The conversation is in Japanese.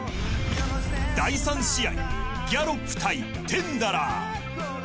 第３試合ギャロップ対テンダラー。